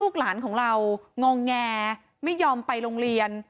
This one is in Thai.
หลานของเรางองแงไม่ยอมไปโรงเรียน